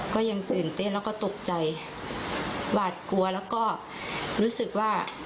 ก็ยังตื่นเต้นแล้วก็ตกใจหวาดกลัวแล้วก็รู้สึกว่า